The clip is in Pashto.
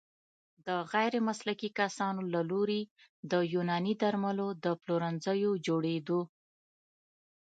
د غیرمسلکي کسانو له لوري د يوناني درملو د پلورنځيو جوړیدو